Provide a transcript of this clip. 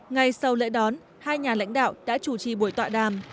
ngay sau lễ đón hai nhà lãnh đạo đã chủ trì buổi tọa đàm